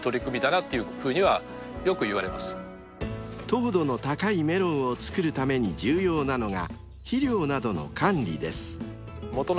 ［糖度の高いメロンを作るために重要なのが肥料などの管理です］